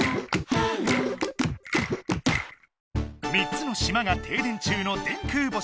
３つの島がてい電中の電空星。